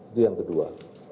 itu yang kedua